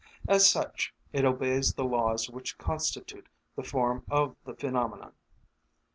As such, it obeys the laws which constitute the form of the phenomenon.